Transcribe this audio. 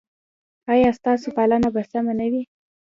ایا ستاسو پالنه به سمه نه وي؟